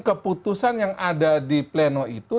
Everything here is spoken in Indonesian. keputusan yang ada di pleno itu